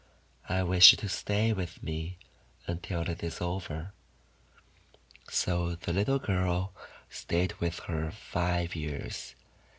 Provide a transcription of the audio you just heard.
I wish you to stay with me until it is over." So the little girl stayed with her five years.